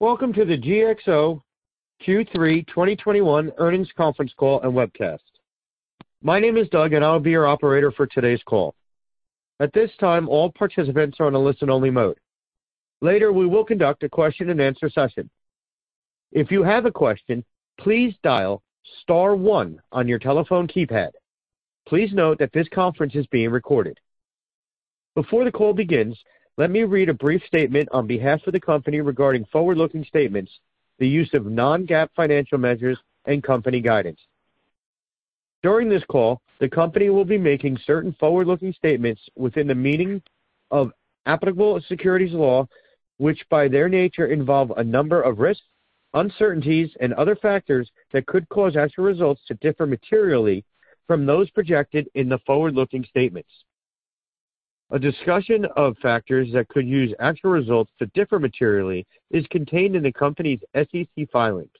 Welcome to the GXO Q3 2021 Earnings Conference Call and Webcast. My name is Doug, and I'll be your operator for today's call. At this time, all participants are on a listen-only mode. Later, we will conduct a question-and-answer session. If you have a question, please dial star one on your telephone keypad. Please note that this conference is being recorded. Before the call begins, let me read a brief statement on behalf of the company regarding forward-looking statements, the use of non-GAAP financial measures, and company guidance. During this call, the company will be making certain forward-looking statements within the meaning of applicable securities law, which, by their nature, involve a number of risks, uncertainties, and other factors that could cause actual results to differ materially from those projected in the forward-looking statements. A discussion of factors that could cause actual results to differ materially is contained in the company's SEC filings.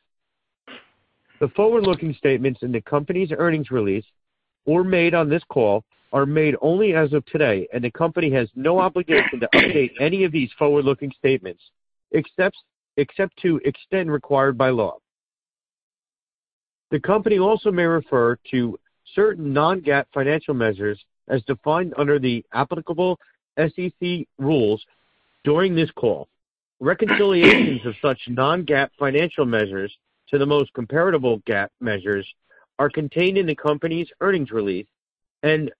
The forward-looking statements in the company's earnings release or made on this call are made only as of today, and the company has no obligation to update any of these forward-looking statements except to the extent required by law. The company also may refer to certain non-GAAP financial measures as defined under the applicable SEC rules during this call. Reconciliations of such non-GAAP financial measures to the most comparable GAAP measures are contained in the company's earnings release and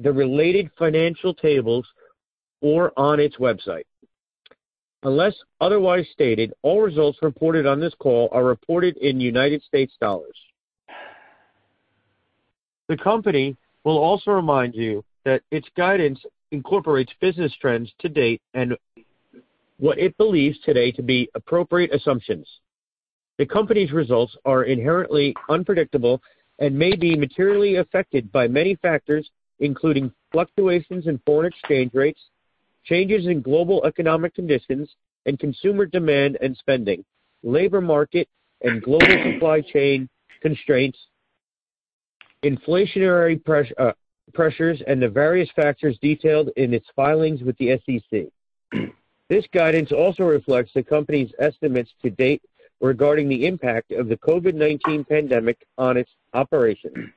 the related financial tables or on its website. Unless otherwise stated, all results reported on this call are reported in U.S. dollars. The company will also remind you that its guidance incorporates business trends to date and what it believes today to be appropriate assumptions. The company's results are inherently unpredictable and may be materially affected by many factors, including fluctuations in foreign exchange rates, changes in global economic conditions and consumer demand and spending, labor market and global supply chain constraints, inflationary pressures, and the various factors detailed in its filings with the SEC. This guidance also reflects the company's estimates to date regarding the impact of the COVID-19 pandemic on its operations.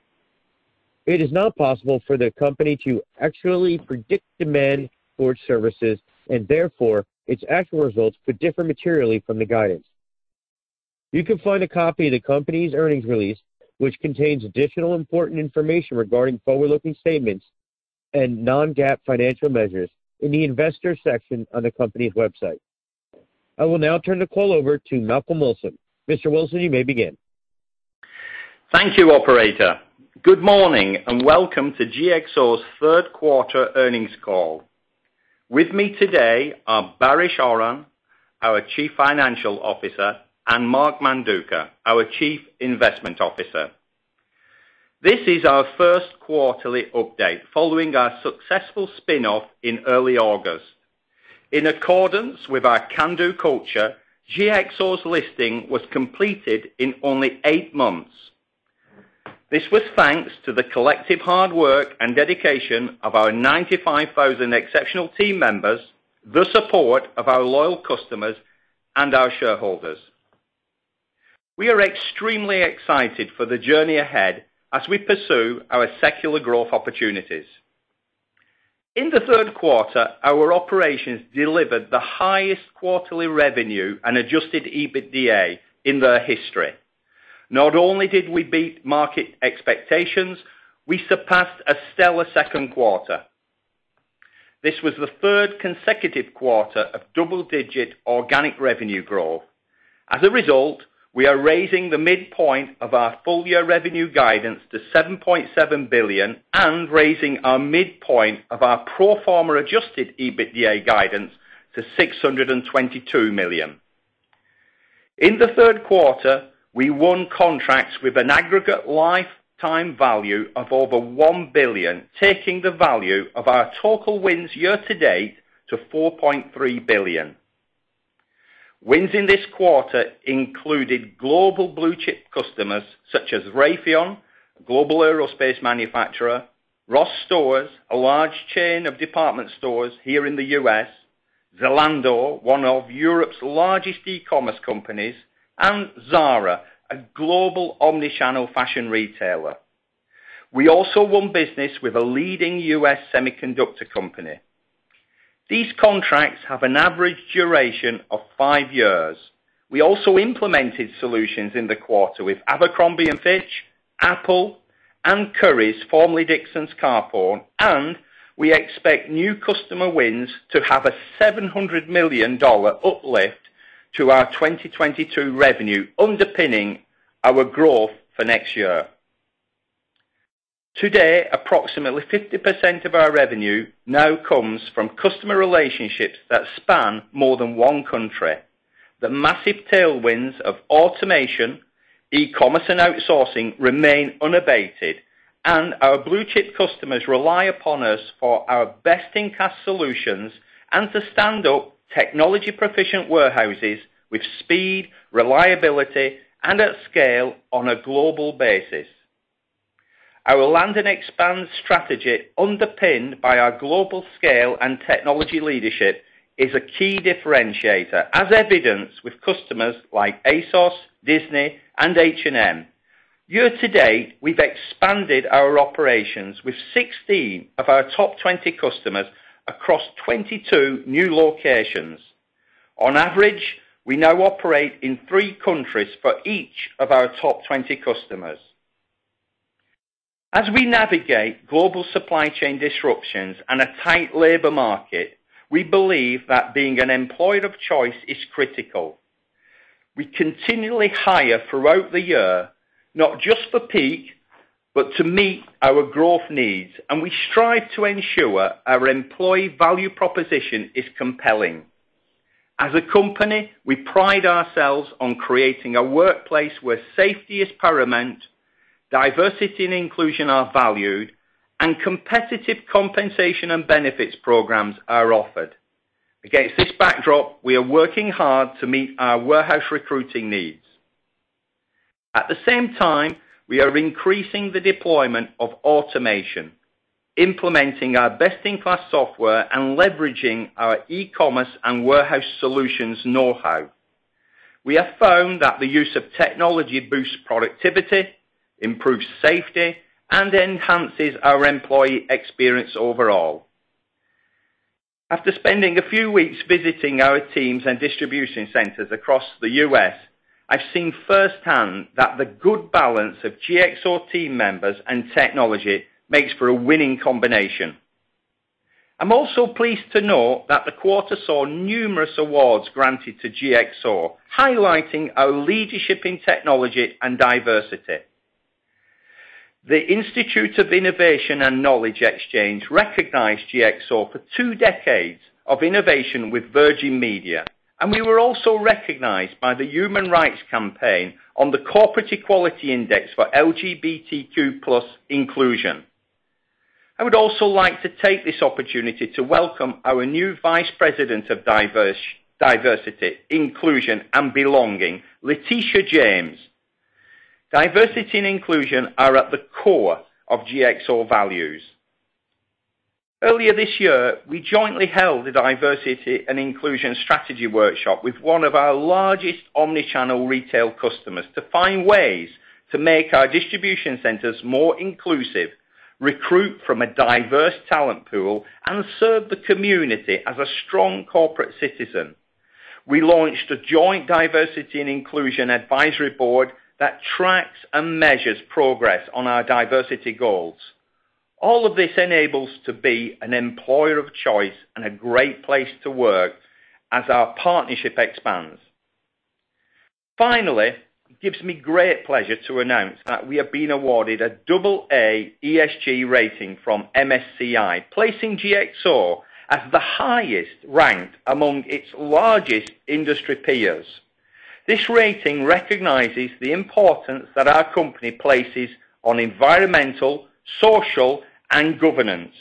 It is not possible for the company to actually predict demand for its services, and therefore, its actual results could differ materially from the guidance. You can find a copy of the company's earnings release, which contains additional important information regarding forward-looking statements and non-GAAP financial measures, in the Investors section on the company's website. I will now turn the call over to Malcolm Wilson. Mr. Wilson, you may begin. Thank you, operator. Good morning, and welcome to GXO's third quarter earnings call. With me today are Baris Oran, our Chief Financial Officer, and Mark Manduca, our Chief Investment Officer. This is our first quarterly update following our successful spin-off in early August. In accordance with our can-do culture, GXO's listing was completed in only eight months. This was thanks to the collective hard work and dedication of our 95,000 exceptional team members, the support of our loyal customers, and our shareholders. We are extremely excited for the journey ahead as we pursue our secular growth opportunities. In the third quarter, our operations delivered the highest quarterly revenue and Adjusted EBITDA in their history. Not only did we beat market expectations, we surpassed a stellar second quarter. This was the third consecutive quarter of double-digit organic revenue growth. As a result, we are raising the midpoint of our full-year revenue guidance to $7.7 billion and raising our midpoint of our pro forma Adjusted EBITDA guidance to $622 million. In the third quarter, we won contracts with an aggregate lifetime value of over $1 billion, taking the value of our total wins year-to-date to $4.3 billion. Wins in this quarter included global blue-chip customers such as Raytheon, a global aerospace manufacturer, Ross Stores, a large chain of department stores here in the U.S., Zalando, one of Europe's largest e-commerce companies, and Zara, a global omni-channel fashion retailer. We also won business with a leading U.S. semiconductor company. These contracts have an average duration of five years. We also implemented solutions in the quarter with Abercrombie & Fitch, Apple, and Currys, formerly Dixons Carphone, and we expect new customer wins to have a $700 million uplift to our 2022 revenue underpinning our growth for next year. Today, approximately 50% of our revenue now comes from customer relationships that span more than one country. The massive tailwinds of automation, e-commerce, and outsourcing remain unabated, and our blue-chip customers rely upon us for our best-in-class solutions and to stand up technology-proficient warehouses with speed, reliability, and at scale on a global basis. Our land and expand strategy, underpinned by our global scale and technology leadership, is a key differentiator, as evidenced with customers like ASOS, Disney, and H&M. Year to date, we've expanded our operations with 16 of our top 20 customers across 22 new locations. On average, we now operate in three countries for each of our top 20 customers. As we navigate global supply chain disruptions and a tight labor market, we believe that being an employer of choice is critical. We continually hire throughout the year, not just for peak, but to meet our growth needs, and we strive to ensure our employee value proposition is compelling. As a company, we pride ourselves on creating a workplace where safety is paramount, diversity and inclusion are valued, and competitive compensation and benefits programs are offered. Against this backdrop, we are working hard to meet our warehouse recruiting needs. At the same time, we are increasing the deployment of automation, implementing our best-in-class software, and leveraging our e-commerce and warehouse solutions know-how. We have found that the use of technology boosts productivity, improves safety, and enhances our employee experience overall. After spending a few weeks visiting our teams and distribution centers across the U.S., I've seen firsthand that the good balance of GXO team members and technology makes for a winning combination. I'm also pleased to note that the quarter saw numerous awards granted to GXO, highlighting our leadership in technology and diversity. The Institute of Innovation and Knowledge Exchange recognized GXO for two decades of innovation with Virgin Media, and we were also recognized by the Human Rights Campaign on the Corporate Equality Index for LGBTQ+ inclusion. I would also like to take this opportunity to welcome our new Vice President of Diversity, Inclusion, and Belonging, LaQuenta Jacobs. Diversity and inclusion are at the core of GXO values. Earlier this year, we jointly held a diversity and inclusion strategy workshop with one of our largest omni-channel retail customers to find ways to make our distribution centers more inclusive, recruit from a diverse talent pool, and serve the community as a strong corporate citizen. We launched a joint diversity and inclusion advisory board that tracks and measures progress on our diversity goals. All of this enables us to be an employer of choice and a great place to work as our partnership expands. Finally, it gives me great pleasure to announce that we have been awarded an AA ESG rating from MSCI, placing GXO as the highest-ranked among its largest industry peers. This rating recognizes the importance that our company places on environmental, social, and governance.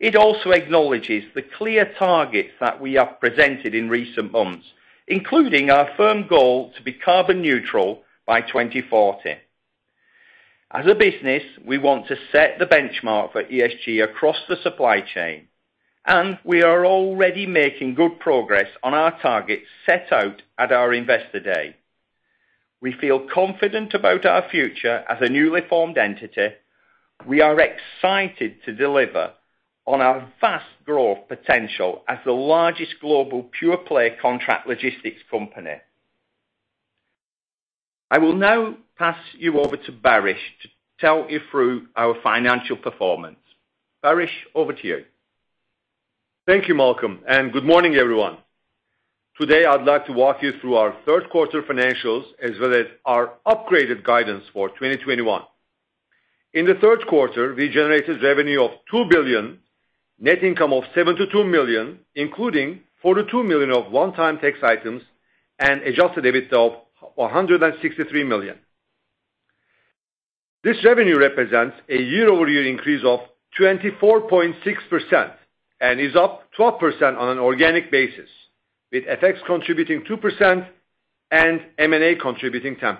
It also acknowledges the clear targets that we have presented in recent months, including our firm goal to be carbon neutral by 2040. As a business, we want to set the benchmark for ESG across the supply chain, and we are already making good progress on our targets set out at our investor day. We feel confident about our future as a newly formed entity. We are excited to deliver on our vast growth potential as the largest global pure play contract logistics company. I will now pass you over to Baris to talk you through our financial performance. Baris, over to you. Thank you, Malcolm, and good morning, everyone. Today, I'd like to walk you through our third quarter financials as well as our upgraded guidance for 2021. In the third quarter, we generated revenue of $2 billion, net income of $72 million, including $42 million of one-time tax items and Adjusted EBITDA of $163 million. This revenue represents a YoY increase of 24.6% and is up 12% on an organic basis, with FX contributing 2% and M&A contributing 10%.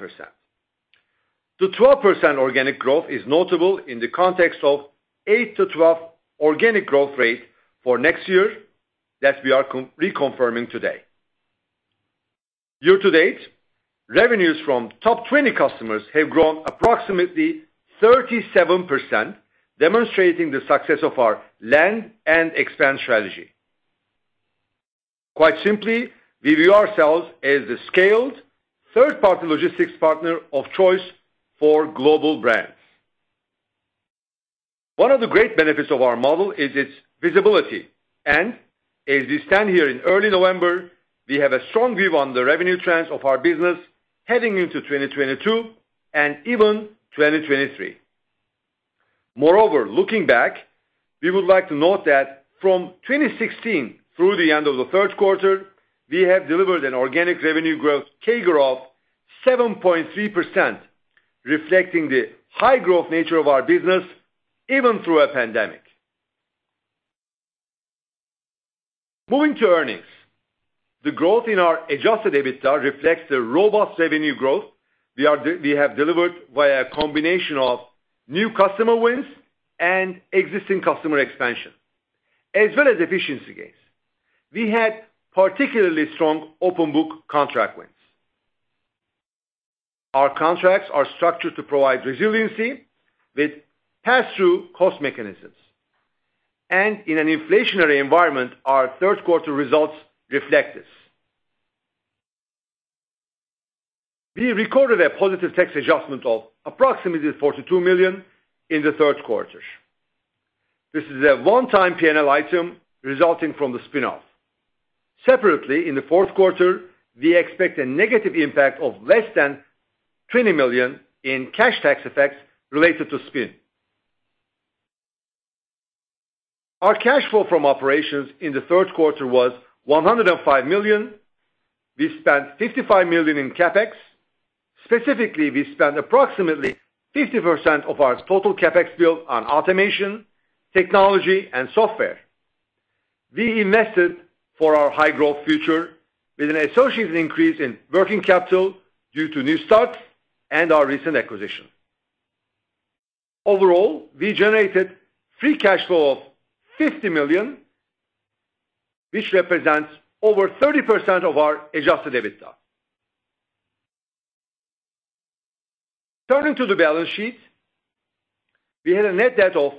The 12% organic growth is notable in the context of 8%-12% organic growth rate for next year that we are reconfirming today. Year to date, revenues from top 20 customers have grown approximately 37%, demonstrating the success of our land and expand strategy. Quite simply, we view ourselves as the scaled third-party logistics partner of choice for global brands. One of the great benefits of our model is its visibility. As we stand here in early November, we have a strong view on the revenue trends of our business heading into 2022 and even 2023. Moreover, looking back, we would like to note that from 2016 through the end of the third quarter, we have delivered an organic revenue growth CAGR of 7.3%, reflecting the high growth nature of our business even through a pandemic. Moving to earnings. The growth in our Adjusted EBITDA reflects the robust revenue growth we have delivered via a combination of new customer wins and existing customer expansion, as well as efficiency gains. We had particularly strong open book contract wins. Our contracts are structured to provide resiliency with passthrough cost mechanisms. In an inflationary environment, our third quarter results reflect this. We recorded a positive tax adjustment of approximately $42 million in the third quarter. This is a one-time PNL item resulting from the spin-off. Separately, in the fourth quarter, we expect a negative impact of less than $20 million in cash tax effects related to spin. Our cash flow from operations in the third quarter was $105 million. We spent $55 million in CapEx. Specifically, we spent approximately 50% of our total CapEx build on automation, technology, and software. We invested for our high growth future with an associated increase in working capital due to new starts and our recent acquisition. Overall, we generated free cash flow of $50 million, which represents over 30% of our Adjusted EBITDA. Turning to the balance sheet, we had a net debt of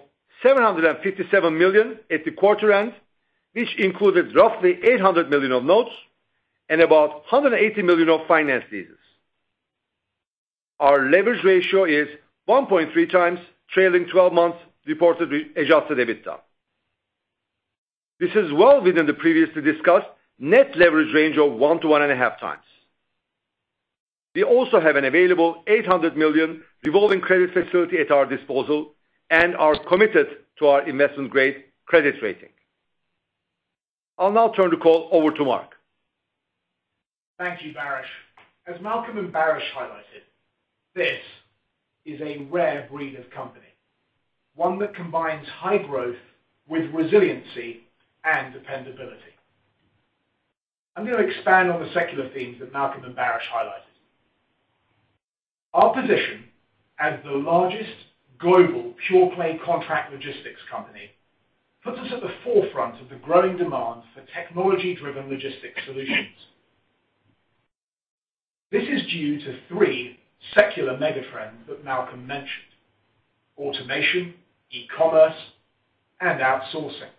$757 million at the quarter end, which included roughly $800 million of notes and about $180 million of finance leases. Our leverage ratio is 1.3x trailing 12 months reported Adjusted EBITDA. This is well within the previously discussed net leverage range of 1-1.5 times. We also have an available $800 million revolving credit facility at our disposal and are committed to our investment grade credit rating. I'll now turn the call over to Mark. Thank you, Baris. As Malcolm and Baris highlighted, this is a rare breed of company, one that combines high growth with resiliency and dependability. I'm gonna expand on the secular themes that Malcolm and Baris highlighted. Our position as the largest global pure-play contract logistics company puts us at the forefront of the growing demand for technology-driven logistics solutions. This is due to three secular mega-trends that Malcolm mentioned: automation, e-commerce, and outsourcing.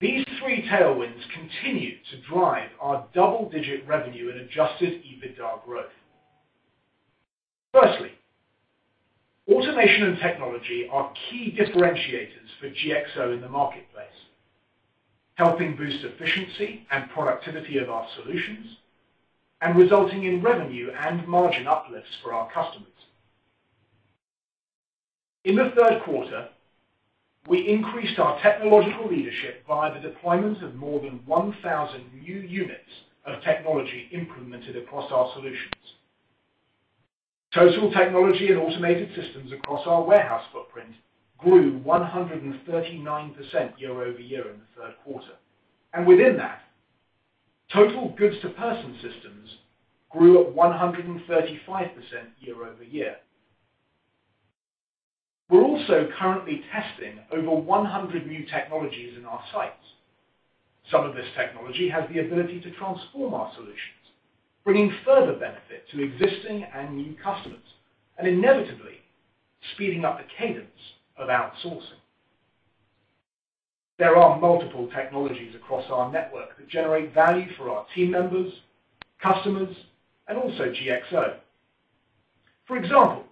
These three tailwinds continue to drive our double-digit revenue and Adjusted EBITDA growth. Firstly, automation and technology are key differentiators for GXO in the marketplace, helping boost efficiency and productivity of our solutions, and resulting in revenue and margin uplifts for our customers. In the third quarter, we increased our technological leadership via the deployment of more than 1,000 new units of technology implemented across our solutions. Total technology and automated systems across our warehouse footprint grew 139% YoY in the third quarter. Within that, total goods-to-person systems grew at 135% YoY. We're also currently testing over 100 new technologies in our sites. Some of this technology has the ability to transform our solutions, bringing further benefit to existing and new customers, and inevitably speeding up the cadence of outsourcing. There are multiple technologies across our network that generate value for our team members, customers, and also GXO. For example,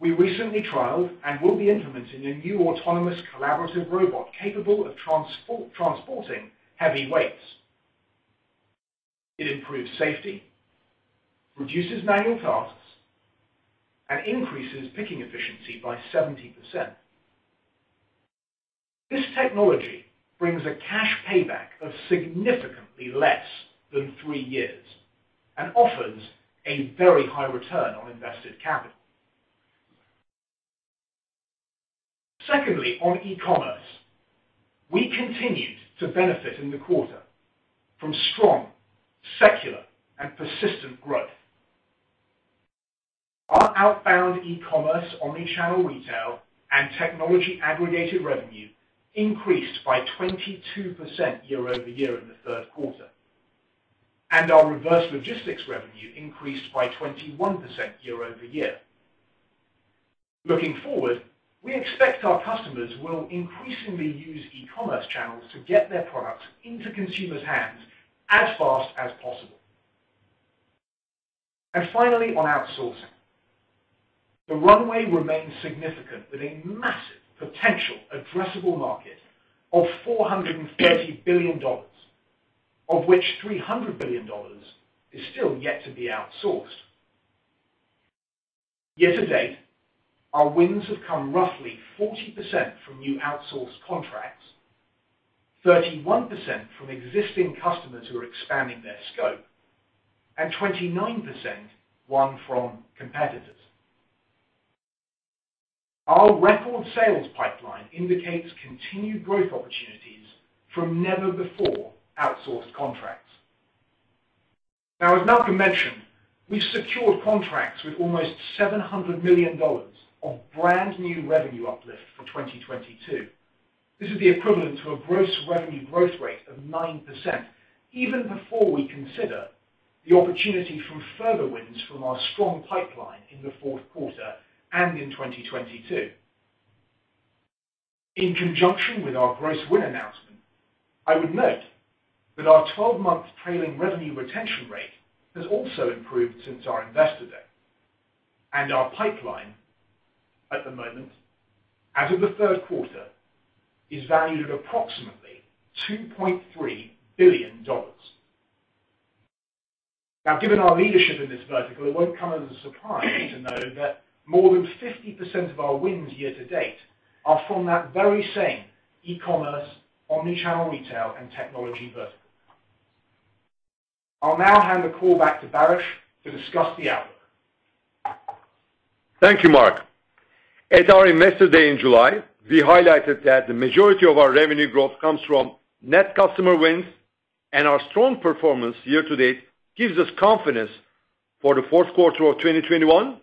we recently trialed and will be implementing a new autonomous collaborative robot capable of transporting heavy weights. It improves safety, reduces manual tasks, and increases picking efficiency by 70%. This technology brings a cash payback of significantly less than three years and offers a very high return on invested capital. Secondly, on e-commerce, we continued to benefit in the quarter from strong, secular, and persistent growth. Our outbound e-commerce, omni-channel retail, and technology aggregated revenue increased by 22% YoY in the third quarter. Our reverse logistics revenue increased by 21% YoY. Looking forward, we expect our customers will increasingly use e-commerce channels to get their products into consumers' hands as fast as possible. Finally, on outsourcing, the runway remains significant with a massive potential addressable market of $430 billion, of which $300 billion is still yet to be outsourced. Year-to-date, our wins have come roughly 40% from new outsourced contracts, 31% from existing customers who are expanding their scope, and 29% won from competitors. Our record sales pipeline indicates continued growth opportunities from never before outsourced contracts. Now, as Malcolm mentioned, we've secured contracts with almost $700 million of brand new revenue uplift for 2022. This is the equivalent to a gross revenue growth rate of 9%, even before we consider the opportunity from further wins from our strong pipeline in the fourth quarter and in 2022. In conjunction with our gross win announcement, I would note that our 12-month trailing revenue retention rate has also improved since our Investor Day. Our pipeline at the moment, as of the third quarter, is valued at approximately $2.3 billion. Now, given our leadership in this vertical, it won't come as a surprise to know that more than 50% of our wins year to date are from that very same e-commerce, omni-channel, retail, and technology vertical. I'll now hand the call back to Baris to discuss the outlook. Thank you, Mark. At our Investor Day in July, we highlighted that the majority of our revenue growth comes from net customer wins, and our strong performance year to date gives us confidence for the fourth quarter of 2021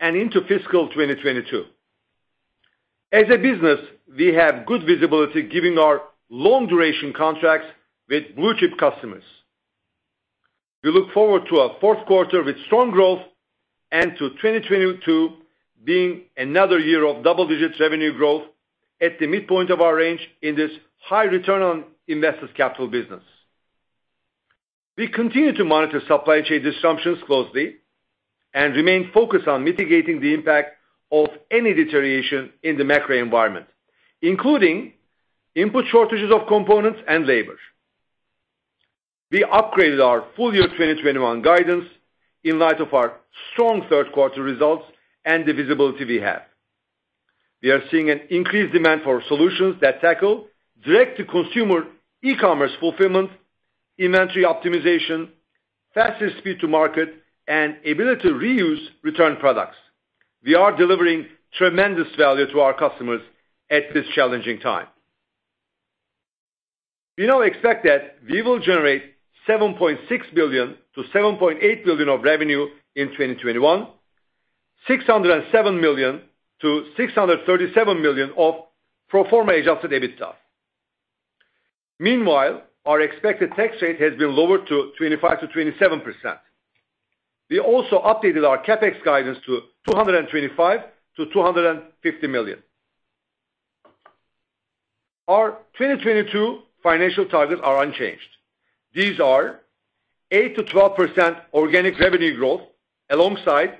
and into fiscal 2022. As a business, we have good visibility giving our long duration contracts with blue-chip customers. We look forward to a fourth quarter with strong growth and to 2022 being another year of double digits revenue growth at the midpoint of our range in this high return on invested capital business. We continue to monitor supply chain disruptions closely and remain focused on mitigating the impact of any deterioration in the macro environment, including input shortages of components and labor. We upgraded our full year 2021 guidance in light of our strong third quarter results and the visibility we have. We are seeing an increased demand for solutions that tackle direct-to-consumer e-commerce fulfillment, inventory optimization, faster speed to market, and ability to reuse return products. We are delivering tremendous value to our customers at this challenging time. We now expect that we will generate $7.6 billion-$7.8 billion of revenue in 2021, $607 million-$637 million of pro forma Adjusted EBITDA. Meanwhile, our expected tax rate has been lowered to 25%-27%. We also updated our CapEx guidance to $225 million-$250 million. Our 2022 financial targets are unchanged. These are 8%-12% organic revenue growth alongside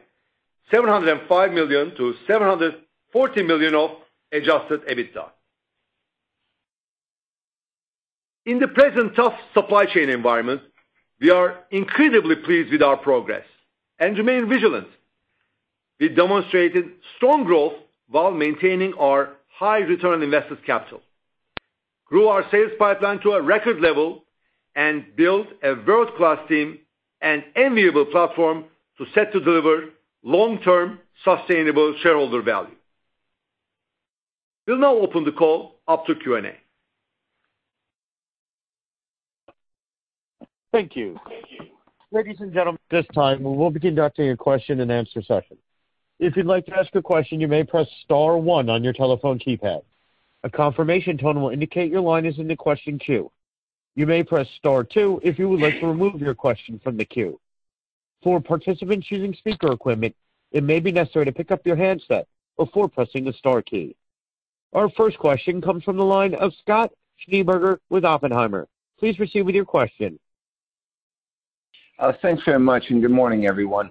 $705 million-$740 million of Adjusted EBITDA. In the present tough supply chain environment, we are incredibly pleased with our progress and remain vigilant. We demonstrated strong growth while maintaining our high return on invested capital, grew our sales pipeline to a record level and built a world-class team and enviable platform to set to deliver long-term sustainable shareholder value. We'll now open the call up to Q&A. Thank you. Ladies and gentlemen, at this time, we will be conducting a question and answer session. If you'd like to ask a question, you may press star one on your telephone keypad. A confirmation tone will indicate your line is in the question queue. You may press star two if you would like to remove your question from the queue. For participants using speaker equipment, it may be necessary to pick up your handset before pressing the star key. Our first question comes from the line of Scott Schneeberger with Oppenheimer. Please proceed with your question. Thanks very much, and good morning, everyone.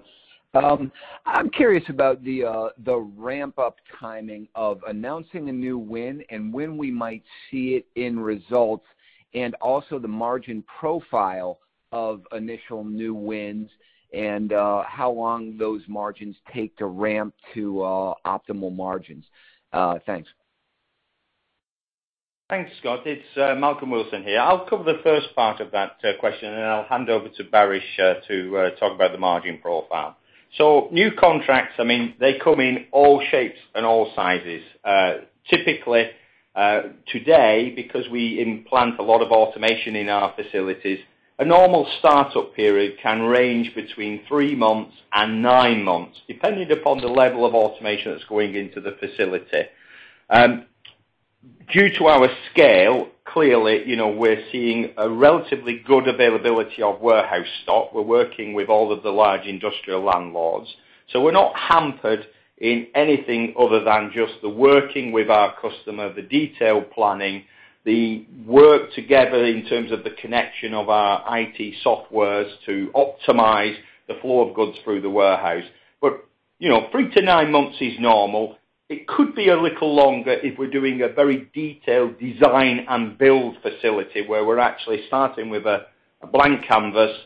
I'm curious about the ramp-up timing of announcing a new win and when we might see it in results, and also the margin profile of initial new wins and how long those margins take to ramp to optimal margins. Thanks. Thanks, Scott. It's Malcolm Wilson here. I'll cover the first part of that question, and then I'll hand over to Baris Oran to talk about the margin profile. New contracts, I mean, they come in all shapes and all sizes. Typically, today, because we implement a lot of automation in our facilities, a normal start-up period can range between three months and nine months, depending upon the level of automation that's going into the facility. Due to our scale, clearly, you know, we're seeing a relatively good availability of warehouse stock. We're working with all of the large industrial landlords. We're not hampered in anything other than just the working with our customer, the detailed planning, the work together in terms of the connection of our IT software to optimize the flow of goods through the warehouse. You know, 3-9 months is normal. It could be a little longer if we're doing a very detailed design and build facility where we're actually starting with a blank canvas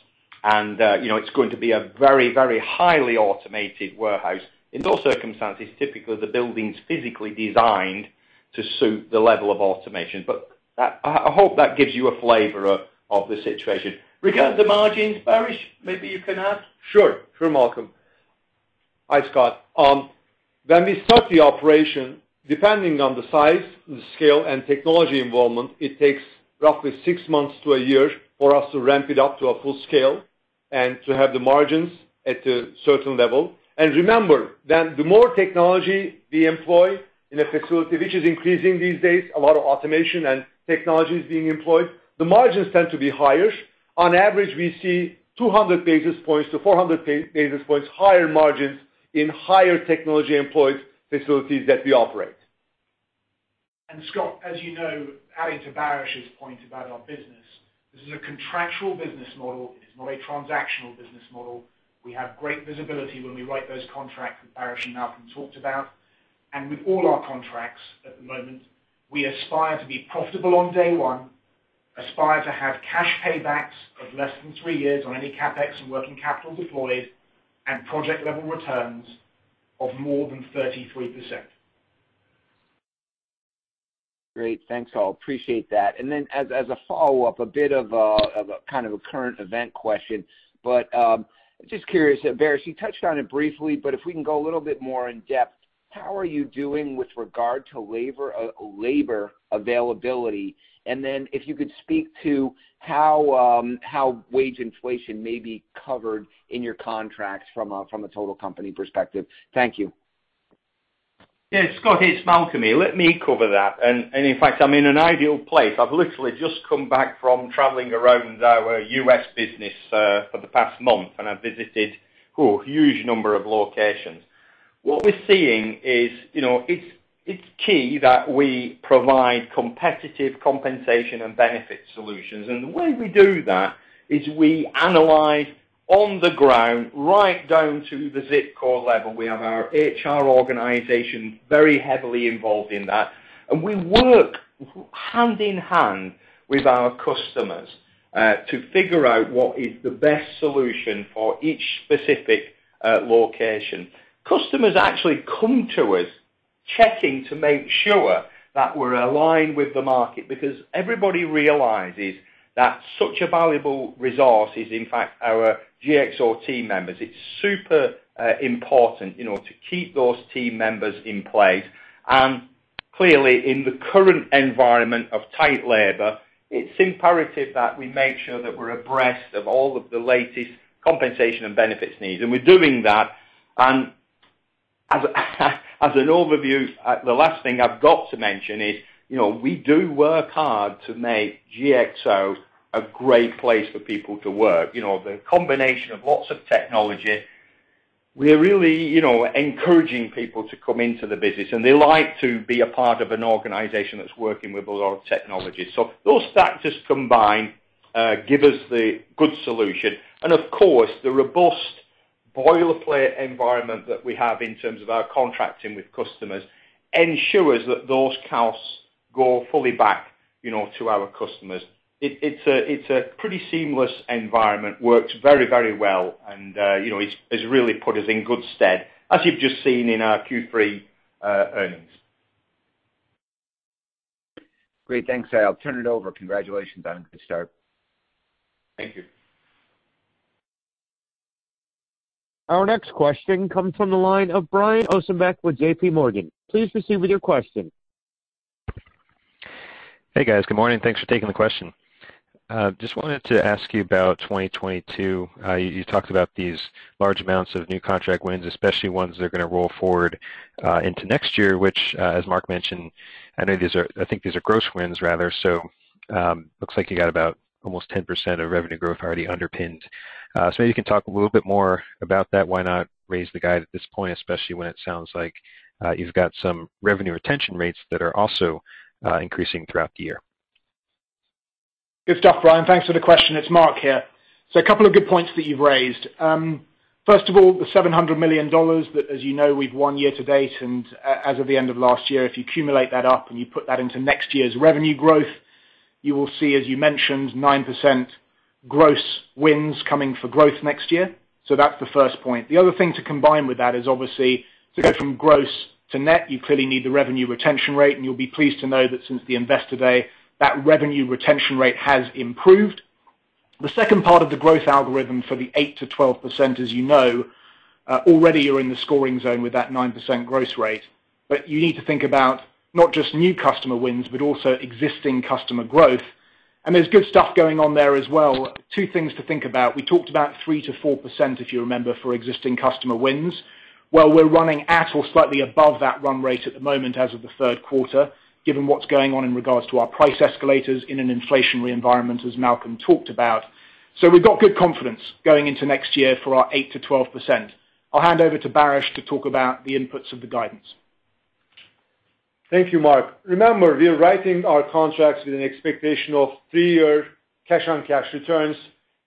and, you know, it's going to be a very highly automated warehouse. In those circumstances, typically the building's physically designed to suit the level of automation. I hope that gives you a flavor of the situation. Regarding the margins, Baris, maybe you can add? Sure. Sure, Malcolm. Hi, Scott. When we start the operation, depending on the size, the scale, and technology involvement, it takes roughly six months to a year for us to ramp it up to a full scale and to have the margins at a certain level. Remember that the more technology we employ in a facility which is increasing these days, a lot of automation and technology is being employed, the margins tend to be higher. On average, we see 200 basis points-400 basis points higher margins in higher technology employed facilities that we operate. Scott, as you know, adding to Baris' point about our business, this is a contractual business model, it is not a transactional business model. We have great visibility when we write those contracts that Baris and Malcolm talked about. With all our contracts at the moment, we aspire to be profitable on day one, aspire to have cash paybacks of less than three years on any CapEx and working capital deployed, and project level returns of more than 33%. Great. Thanks all. Appreciate that. Then as a follow-up, a bit of a kind of current event question, but just curious, Baris, you touched on it briefly, but if we can go a little bit more in depth, how are you doing with regard to labor availability? Then if you could speak to how wage inflation may be covered in your contracts from a total company perspective. Thank you. Yeah, Scott, it's Malcolm here. Let me cover that. In fact, I'm in an ideal place. I've literally just come back from traveling around our U.S. business for the past month, and I visited huge number of locations. What we're seeing is, it's key that we provide competitive compensation and benefit solutions. The way we do that is we analyze on the ground, right down to the zip code level. We have our HR organization very heavily involved in that. We work hand in hand with our customers to figure out what is the best solution for each specific location. Customers actually come to us checking to make sure that we're aligned with the market because everybody realizes that such a valuable resource is, in fact, our GXO team members. It's super important, you know, to keep those team members in place. Clearly, in the current environment of tight labor, it's imperative that we make sure that we're abreast of all of the latest compensation and benefits needs. We're doing that. As an overview, the last thing I've got to mention is, you know, we do work hard to make GXO a great place for people to work. You know, the combination of lots of technology we're really, you know, encouraging people to come into the business, and they like to be a part of an organization that's working with a lot of technology. So those factors combined give us the good solution. Of course, the robust boilerplate environment that we have in terms of our contracting with customers ensures that those costs go fully back, you know, to our customers. It's a pretty seamless environment, works very, very well and, you know, it's really put us in good stead, as you've just seen in our Q3 earnings. Great. Thanks. I'll turn it over. Congratulations on a good start. Thank you. Our next question comes from the line of Brian Ossenbeck with J.P. Morgan. Please proceed with your question. Hey, guys. Good morning. Thanks for taking the question. Just wanted to ask you about 2022. You talked about these large amounts of new contract wins, especially ones that are gonna roll forward into next year, which, as Mark mentioned, I think these are gross wins rather so, looks like you got about almost 10% of revenue growth already underpinned. Maybe you can talk a little bit more about that. Why not raise the guide at this point, especially when it sounds like you've got some revenue retention rates that are also increasing throughout the year. Good stuff, Brian. Thanks for the question. It's Mark here. A couple of good points that you've raised. First of all, the $700 million that, as you know, we've won year to date and as of the end of last year, if you accumulate that up and you put that into next year's revenue growth, you will see, as you mentioned, 9% gross wins coming for growth next year. That's the first point. The other thing to combine with that is obviously to go from gross to net, you clearly need the revenue retention rate, and you'll be pleased to know that since the investor day, that revenue retention rate has improved. The second part of the growth algorithm for the 8%-12%, as you know, already you're in the scoring zone with that 9% gross rate. You need to think about not just new customer wins, but also existing customer growth. There's good stuff going on there as well. Two things to think about. We talked about 3%-4%, if you remember, for existing customer wins. Well, we're running at or slightly above that run rate at the moment as of the third quarter, given what's going on in regards to our price escalators in an inflationary environment, as Malcolm talked about. We've got good confidence going into next year for our 8%-12%. I'll hand over to Baris to talk about the inputs of the guidance. Thank you, Mark. Remember, we are writing our contracts with an expectation of three-year cash-on-cash returns,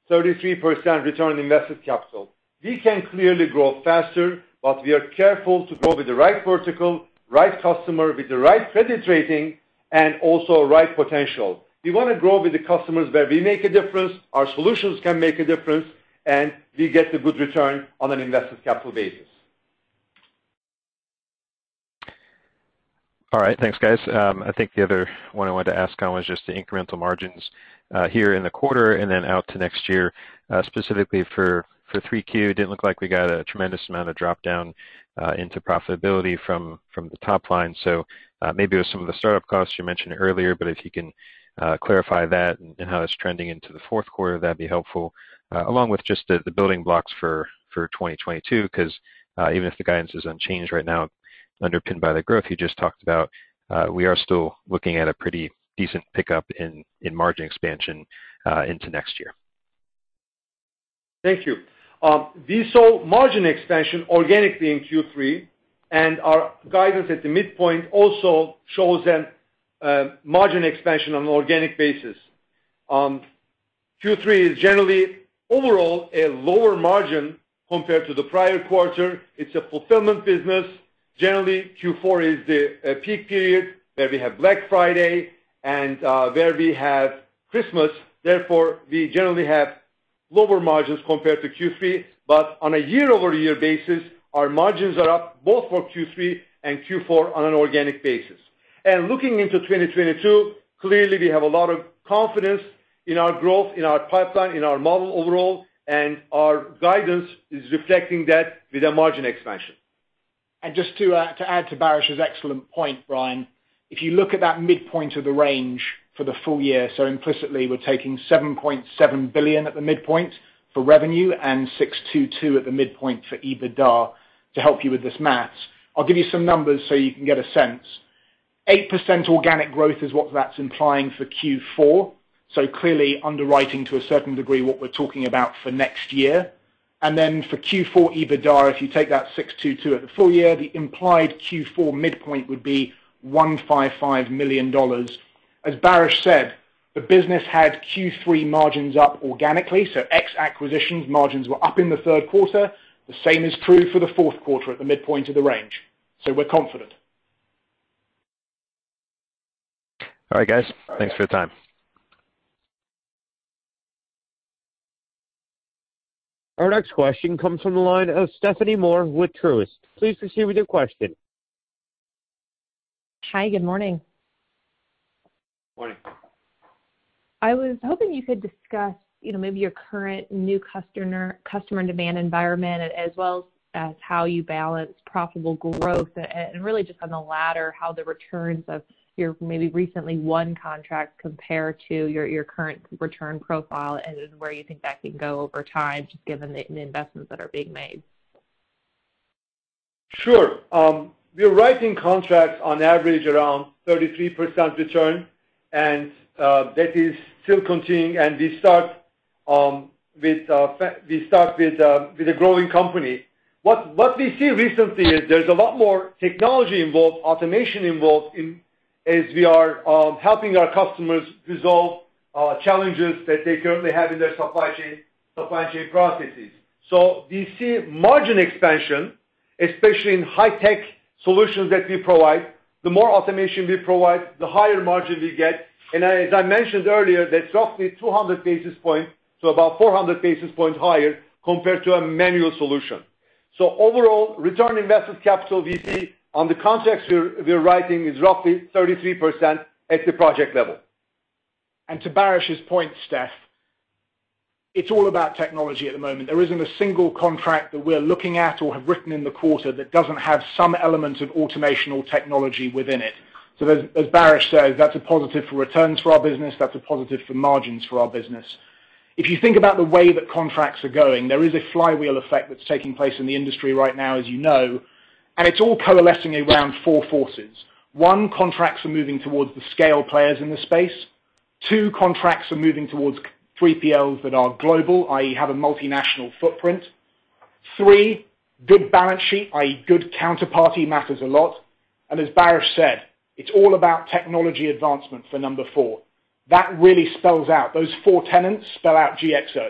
33% return on invested capital. We can clearly grow faster, but we are careful to grow with the right vertical, right customer with the right credit rating, and also right potential. We wanna grow with the customers where we make a difference, our solutions can make a difference, and we get the good return on an invested capital basis. All right. Thanks, guys. I think the other one I wanted to ask on was just the incremental margins here in the quarter and then out to next year, specifically for Q3. Didn't look like we got a tremendous amount of drop-down into profitability from the top line. Maybe it was some of the startup costs you mentioned earlier, but if you can clarify that and how it's trending into the fourth quarter, that'd be helpful. Along with just the building blocks for 2022, 'cause even if the guidance is unchanged right now underpinned by the growth you just talked about, we are still looking at a pretty decent pickup in margin expansion into next year. Thank you. We saw margin expansion organically in Q3, and our guidance at the midpoint also shows an margin expansion on an organic basis. Q3 is generally overall a lower margin compared to the prior quarter. It's a fulfillment business. Generally, Q4 is the peak period, where we have Black Friday and where we have Christmas. Therefore, we generally have lower margins compared to Q3. On a YoY basis, our margins are up both for Q3 and Q4 on an organic basis. Looking into 2022, clearly we have a lot of confidence in our growth, in our pipeline, in our model overall, and our guidance is reflecting that with a margin expansion. Just to add to Baris' excellent point, Brian, if you look at that midpoint of the range for the full year, implicitly we're taking $7.7 billion at the midpoint for revenue and $622 million at the midpoint for EBITDA to help you with this math. I'll give you some numbers so you can get a sense. 8% organic growth is what that's implying for Q4. Clearly underwriting to a certain degree what we're talking about for next year. For Q4 EBITDA, if you take that $622 million at the full year, the implied Q4 midpoint would be $155 million. As Baris said, the business had Q3 margins up organically, so ex acquisitions margins were up in the third quarter. The same is true for the fourth quarter at the midpoint of the range. We're confident. All right, guys. Thanks for the time. Our next question comes from the line of Stephanie Moore with Truist. Please proceed with your question. Hi, good morning. Morning. I was hoping you could discuss, you know, maybe your current new customer demand environment as well as how you balance profitable growth and really just on the latter, how the returns of your maybe recently won contract compare to your current return profile and where you think that can go over time just given the investments that are being made. Sure. We're writing contracts on average around 33% return and that is still continuing. We start with a growing company. What we see recently is there's a lot more technology involved, automation involved in as we are helping our customers resolve challenges that they currently have in their supply chain processes. We see margin expansion, especially in high-tech solutions that we provide. The more automation we provide, the higher margin we get. As I mentioned earlier, that's roughly 200 basis points-400 basis points higher compared to a manual solution. Overall, return on invested capital, ROIC, on the contracts we're writing is roughly 33% at the project level. To Baris' point, Steph, it's all about technology at the moment. There isn't a single contract that we're looking at or have written in the quarter that doesn't have some element of automation or technology within it. As Baris says, that's a positive for returns for our business, that's a positive for margins for our business. If you think about the way that contracts are going, there is a flywheel effect that's taking place in the industry right now, as you know, and it's all coalescing around four forces. One, contracts are moving towards the scale players in the space. Two, contracts are moving towards 3PLs that are global, i.e., have a multinational footprint. Three, good balance sheet, i.e., good counterparty matters a lot. As Baris said, it's all about technology advancement for number four. That really spells out. Those four tenets spell out GXO.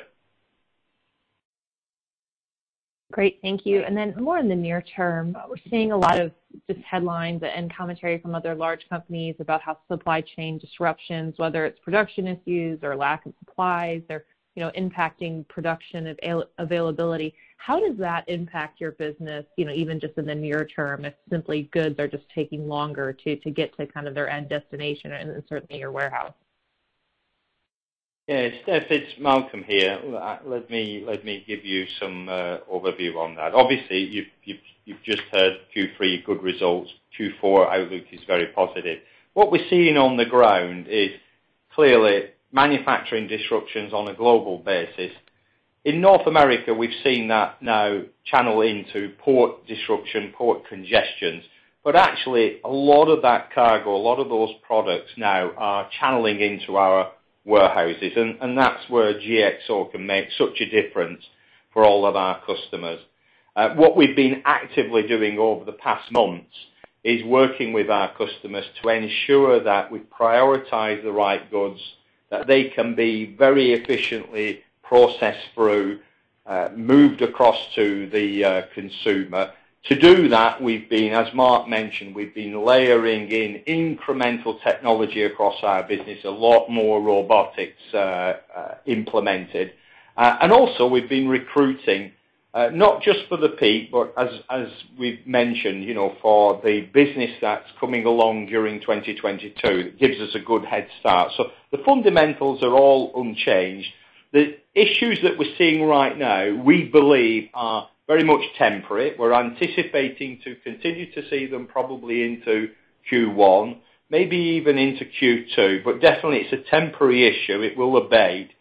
Great. Thank you. Then more in the near term, we're seeing a lot of just headlines and commentary from other large companies about how supply chain disruptions, whether it's production issues or lack of supplies or, you know, impacting production availability. How does that impact your business, you know, even just in the near term, if simply goods are just taking longer to get to kind of their end destination and certainly your warehouse? Yeah. Steph, it's Malcolm here. Let me give you some overview on that. Obviously, you've just heard Q3 good results. Q4 outlook is very positive. What we're seeing on the ground is clearly manufacturing disruptions on a global basis. In North America, we've seen that now channeling into port disruptions, port congestion. Actually, a lot of that cargo, a lot of those products now are channeling into our warehouses. That's where GXO can make such a difference for all of our customers. What we've been actively doing over the past months is working with our customers to ensure that we prioritize the right goods, that they can be very efficiently processed through, moved across to the consumer. To do that, we've been, as Mark mentioned, layering in incremental technology across our business, a lot more robotics implemented. Also we've been recruiting, not just for the peak, but as we've mentioned, you know, for the business that's coming along during 2022, it gives us a good head start. The fundamentals are all unchanged. The issues that we're seeing right now, we believe are very much temporary. We're anticipating to continue to see them probably into Q1, maybe even into Q2, but definitely it's a temporary issue. It will abate.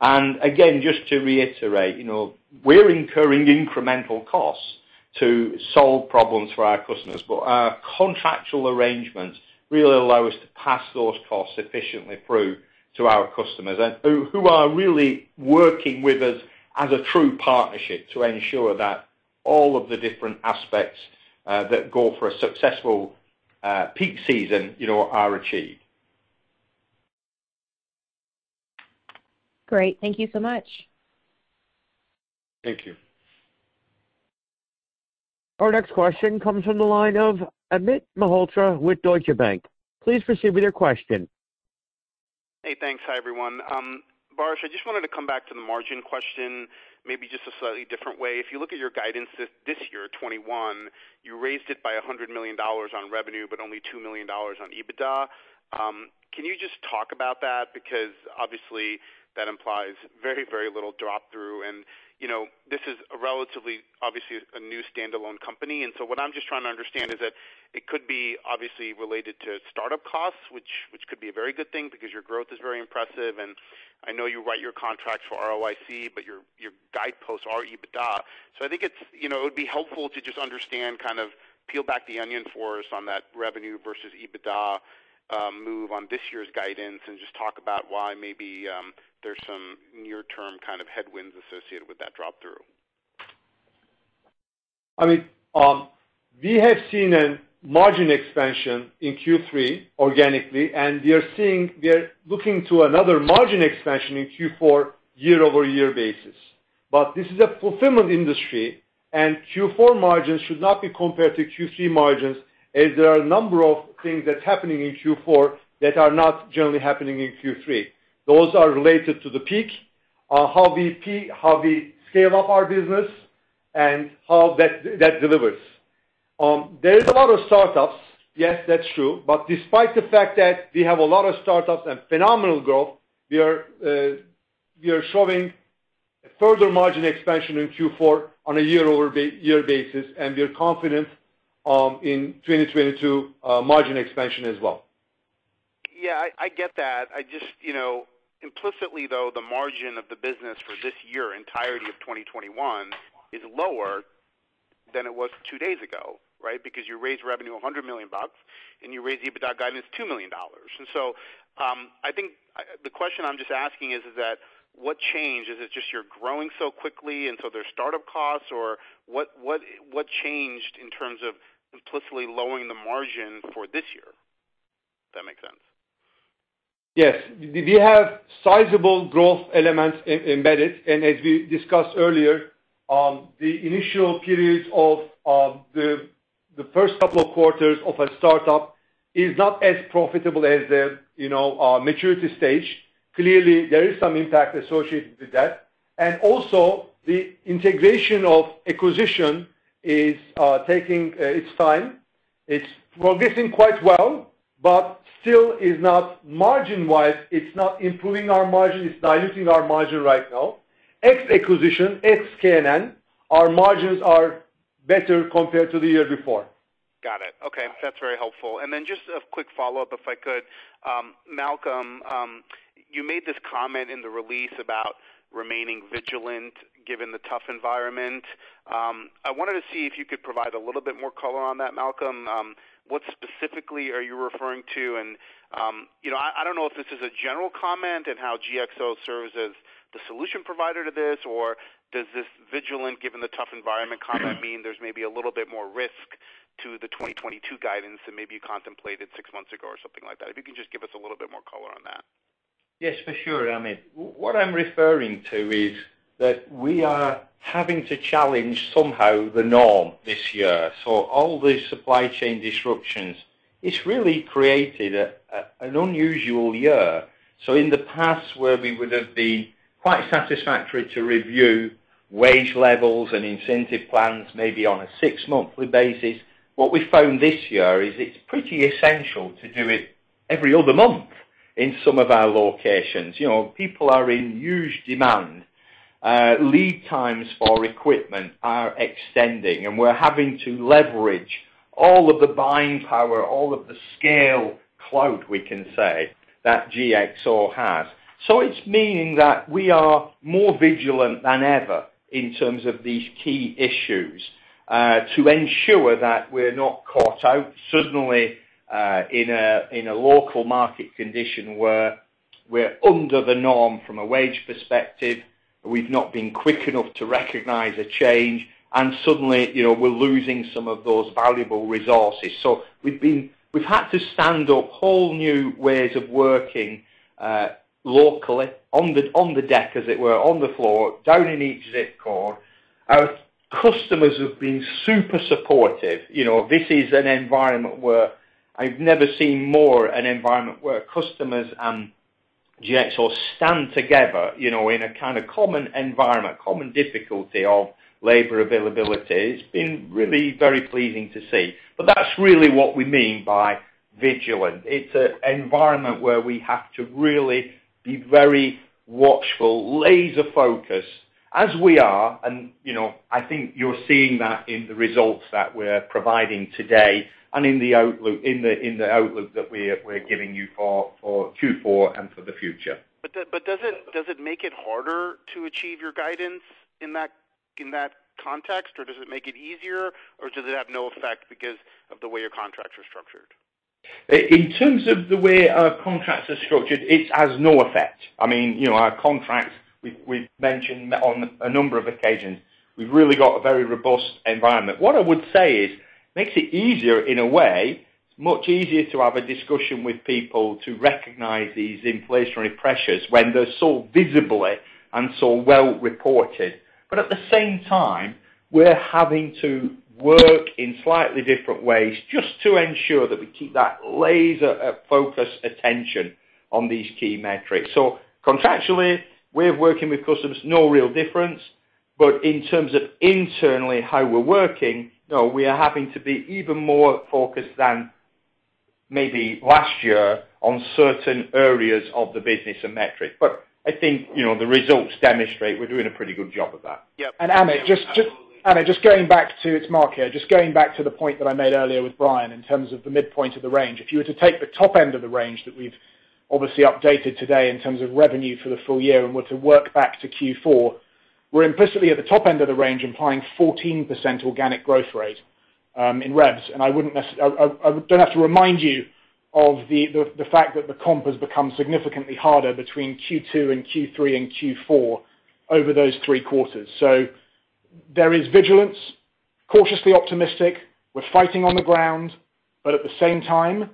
Again, just to reiterate, you know, we're incurring incremental costs to solve problems for our customers. Our contractual arrangements really allow us to pass those costs efficiently through to our customers and who are really working with us as a true partnership to ensure that all of the different aspects that go for a successful peak season, you know, are achieved. Great. Thank you so much. Thank you. Our next question comes from the line of Amit Mehrotra with Deutsche Bank. Please proceed with your question. Hey, thanks. Hi, everyone. Baris, I just wanted to come back to the margin question, maybe just a slightly different way. If you look at your guidance this year, 2021, you raised it by $100 million on revenue, but only $2 million on EBITDA. Can you just talk about that? Because obviously that implies very, very little drop through. You know, this is a relatively obviously a new standalone company. What I'm just trying to understand is that it could be obviously related to start-up costs, which could be a very good thing because your growth is very impressive. I know you write your contracts for ROIC, but your guideposts are EBITDA. I think it's, you know, it would be helpful to just understand, kind of peel back the onion for us on that revenue versus EBITDA move on this year's guidance and just talk about why maybe, there's some near term kind of headwinds associated with that drop through. I mean, we have seen a margin expansion in Q3 organically, and we are looking to another margin expansion in Q4 YoY basis. This is a fulfillment industry, and Q4 margins should not be compared to Q3 margins, as there are a number of things that's happening in Q4 that are not generally happening in Q3. Those are related to the peak, how we peak, how we scale up our business and how that delivers. There is a lot of start-ups. Yes, that's true. Despite the fact that we have a lot of start-ups and phenomenal growth, we are showing further margin expansion in Q4 on a YoY basis, and we are confident in 2022 margin expansion as well. Yeah, I get that. I just, you know, implicitly, though, the margin of the business for this year, entirety of 2021 is lower than it was two days ago, right? Because you raised revenue $100 million and you raised EBITDA guidance $2 million. I think the question I'm just asking is that what changed? Is it just you're growing so quickly and so there's start-up costs or what changed in terms of implicitly lowering the margin for this year? If that makes sense. Yes. We have sizable growth elements embedded. As we discussed earlier, the initial periods of the first couple of quarters of a start-up is not as profitable as the, you know, maturity stage. Clearly, there is some impact associated with that. Also the integration of acquisition is taking its time. It's progressing quite well, but still is not margin wise. It's not improving our margin. It's diluting our margin right now. Ex acquisition, ex KNN, our margins are better compared to the year before. Got it. Okay. That's very helpful. Just a quick follow-up, if I could. Malcolm, you made this comment in the release about remaining vigilant given the tough environment. I wanted to see if you could provide a little bit more color on that, Malcolm. What specifically are you referring to? You know, I don't know if this is a general comment and how GXO serves as the solution provider to this, or does this vigilant given the tough environment comment mean there's maybe a little bit more risk to the 2022 guidance than maybe you contemplated six months ago or something like that? If you can just give us a little bit more color on that. Yes, for sure, Amit. What I'm referring to is that we are having to challenge somehow the norm this year. All the supply chain disruptions, it's really created an unusual year. In the past, where we would have been quite satisfied to review wage levels and incentive plans, maybe on a six-monthly basis, what we found this year is it's pretty essential to do it every other month in some of our locations. You know, people are in huge demand. Lead times for equipment are extending, and we're having to leverage all of the buying power, all of the scale clout, we can say, that GXO has. It means that we are more vigilant than ever in terms of these key issues to ensure that we're not caught out suddenly in a local market condition where we're under the norm from a wage perspective. We've not been quick enough to recognize a change, and suddenly, you know, we're losing some of those valuable resources. We've had to stand up whole new ways of working locally on the deck, as it were, on the floor, down in each zip code. Our customers have been super supportive. You know, this is an environment where I've never seen more of an environment where customers and GXO stand together, you know, in a kind of common environment, common difficulty of labor availability. It's been really very pleasing to see. That's really what we mean by vigilant. It's an environment where we have to really be very watchful, laser-focused as we are. You know, I think you're seeing that in the results that we're providing today and in the outlook that we're giving you for Q4 and for the future. Does it make it harder to achieve your guidance in that context, or does it make it easier? Or does it have no effect because of the way your contracts are structured? In terms of the way our contracts are structured, it has no effect. I mean, you know, our contracts, we've mentioned on a number of occasions. We've really got a very robust environment. What I would say is makes it easier in a way. It's much easier to have a discussion with people to recognize these inflationary pressures when they're so visible and so well reported. At the same time, we're having to work in slightly different ways just to ensure that we keep that laser focus attention on these key metrics. Contractually, way of working with customers, no real difference. In terms of internally how we're working, you know, we are having to be even more focused than maybe last year on certain areas of the business and metrics. I think, you know, the results demonstrate we're doing a pretty good job of that. Yeah. It's Mark here. Just going back to the point that I made earlier with Brian, in terms of the midpoint of the range. If you were to take the top end of the range that we've obviously updated today in terms of revenue for the full year and were to work back to Q4, we're implicitly at the top end of the range, implying 14% organic growth rate in revs. I don't have to remind you of the fact that the comp has become significantly harder between Q2 and Q3 and Q4 over those three quarters. There is vigilance, cautiously optimistic. We're fighting on the ground, but at the same time,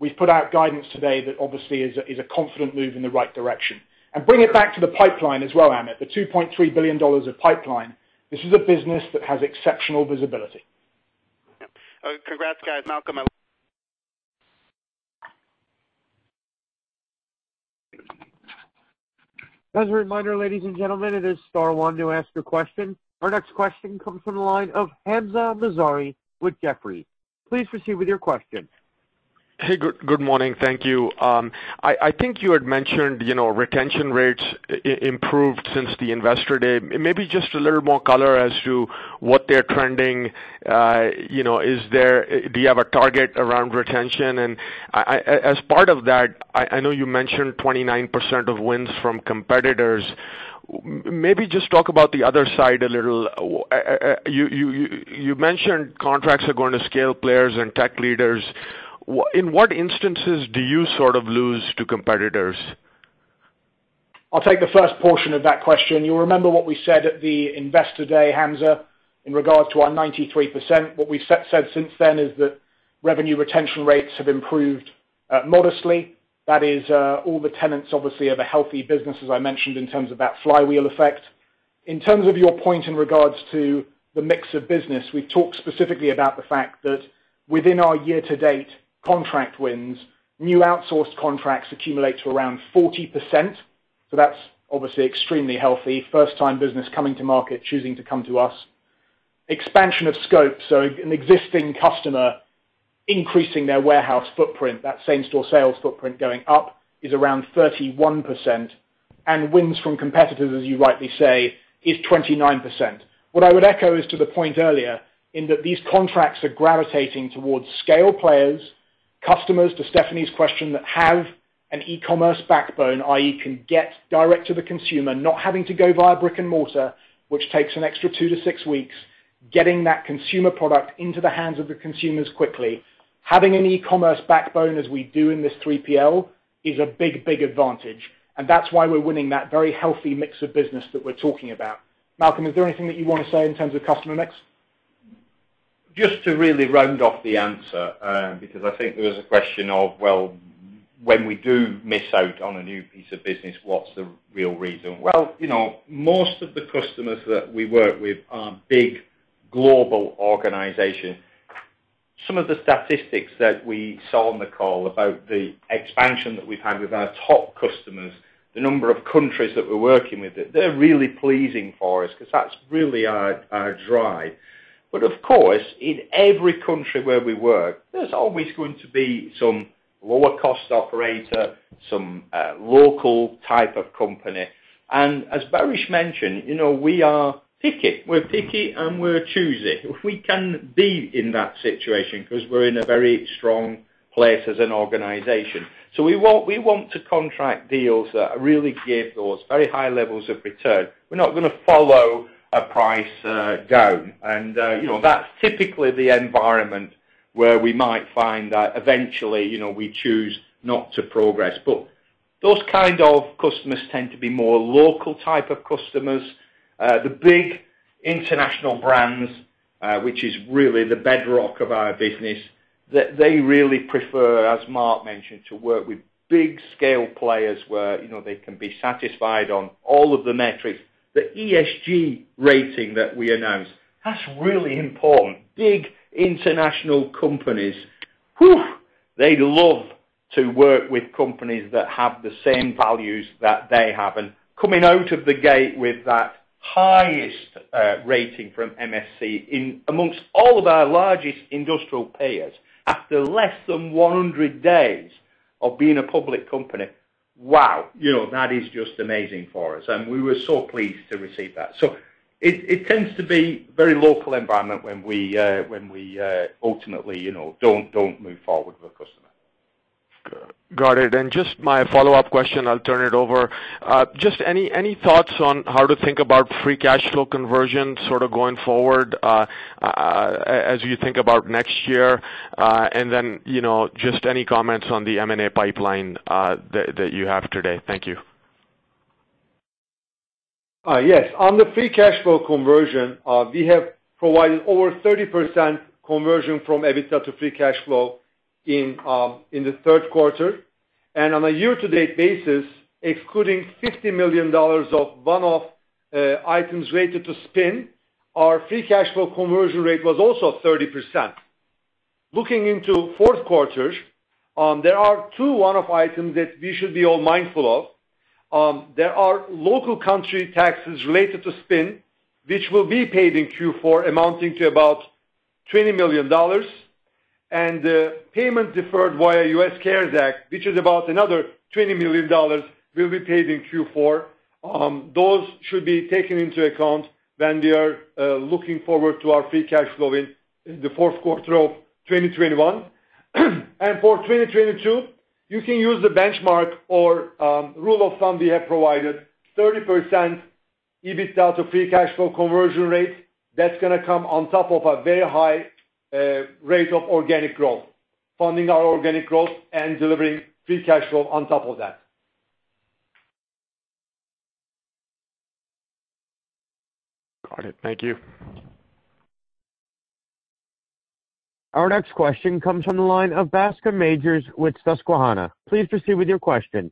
we've put out guidance today that obviously is a confident move in the right direction. Bring it back to the pipeline as well, Amit, the $2.3 billion of pipeline. This is a business that has exceptional visibility. Yeah. Congrats, guys. Malcolm, I will- As a reminder, ladies and gentlemen, it is star one to ask your question. Our next question comes from the line of Hamzah Mazari with Jefferies. Please proceed with your question. Hey, good morning. Thank you. I think you had mentioned, you know, retention rates improved since the investor day. Maybe just a little more color as to what they're trending. You know, do you have a target around retention? As part of that, I know you mentioned 29% of wins from competitors. Maybe just talk about the other side a little. You mentioned contracts are going to scale players and tech leaders. In what instances do you sort of lose to competitors? I'll take the first portion of that question. You'll remember what we said at the Investor Day, Hamzah, in regards to our 93%. What we've said since then is that revenue retention rates have improved modestly. That is all the tenets obviously of a healthy business, as I mentioned, in terms of that flywheel effect. In terms of your point in regards to the mix of business, we've talked specifically about the fact that within our year-to-date contract wins, new outsourced contracts accumulate to around 40%. So that's obviously extremely healthy. First time business coming to market, choosing to come to us. Expansion of scope, so an existing customer increasing their warehouse footprint, that same-store sales footprint going up is around 31% and wins from competitors, as you rightly say, is 29%. What I would echo is to the point earlier in that these contracts are gravitating towards scale players, customers, to Stephanie's question, that have an e-commerce backbone, i.e. can get direct to the consumer, not having to go via brick-and-mortar, which takes an extra two to six weeks, getting that consumer product into the hands of the consumers quickly. Having an e-commerce backbone, as we do in this 3PL, is a big, big advantage, and that's why we're winning that very healthy mix of business that we're talking about. Malcolm, is there anything that you want to say in terms of customer mix? Just to really round off the answer, because I think there is a question of, well, when we do miss out on a new piece of business, what's the real reason? Well, you know, most of the customers that we work with are big global organizations. Some of the statistics that we saw on the call about the expansion that we've had with our top customers, the number of countries that we're working with, they're really pleasing for us because that's really our drive. Of course, in every country where we work, there's always going to be some lower cost operator, some local type of company. As Baris mentioned, you know, we are picky. We're picky, and we're choosy. If we can be in that situation because we're in a very strong place as an organization. We want to contract deals that really give those very high levels of return. We're not gonna follow a price down. You know, that's typically the environment where we might find that eventually, you know, we choose not to progress. Those kind of customers tend to be more local type of customers. The big international brands, which is really the bedrock of our business, they really prefer, as Mark mentioned, to work with big scale players where, you know, they can be satisfied on all of the metrics. The ESG rating that we announced, that's really important. Big international companies. They love to work with companies that have the same values that they have. Coming out of the gate with that highest rating from MSCI amongst all of our largest industrial peers after less than 100 days of being a public company. Wow. You know, that is just amazing for us, and we were so pleased to receive that. It tends to be a very local environment when we ultimately, you know, don't move forward with a customer. Got it. Just my follow-up question, I'll turn it over. Just any thoughts on how to think about free cash flow conversion sort of going forward, as you think about next year? You know, just any comments on the M&A pipeline that you have today. Thank you. Yes. On the free cash flow conversion, we have provided over 30% conversion from EBITDA to free cash flow in the third quarter. On a year-to-date basis, excluding $50 million of one-off items related to Spin, our free cash flow conversion rate was also 30%. Looking into fourth quarter, there are two one-off items that we should be all mindful of. There are local country taxes related to Spin, which will be paid in Q4, amounting to about $20 million. The payment deferred via U.S. CARES Act, which is about another $20 million, will be paid in Q4. Those should be taken into account when we are looking forward to our free cash flow in the fourth quarter of 2021. For 2022, you can use the benchmark or rule of thumb we have provided, 30% EBITDA to free cash flow conversion rate. That's gonna come on top of a very high rate of organic growth, funding our organic growth and delivering free cash flow on top of that. Got it. Thank you. Our next question comes from the line of Bascome Majors with Susquehanna. Please proceed with your question.